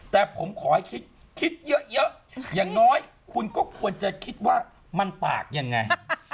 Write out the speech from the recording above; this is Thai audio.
แต่ผมขอให้คิดคิดเยอะอย่างน้อยคุณก็ควรจะคิดว่ามันปากยังไง